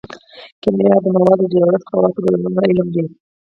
کیمیا د موادو د جوړښت خواصو او بدلونونو علم دی